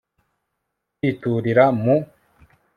kwiturira mu